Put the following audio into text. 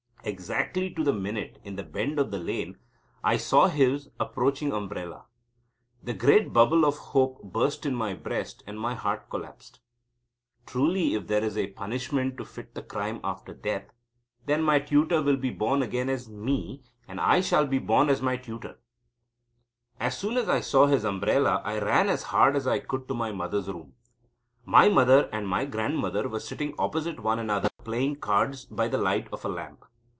Exactly to the minute, in the bend of the lane, I saw his approaching umbrella. The great bubble of hope burst in my breast, and my heart collapsed. Truly, if there is a punishment to fit the crime after death, then my tutor will be born again as me, and I shall be born as my tutor. As soon as I saw his umbrella I ran as hard as I could to my mother's room. My mother and my grandmother were sitting opposite one another playing cards by the light of a lamp.